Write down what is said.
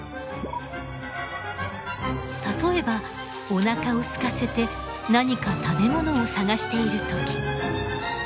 例えばおなかをすかせて何か食べ物を探している時。